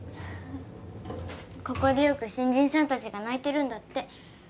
ここでよく新人さん達が泣いてるんだって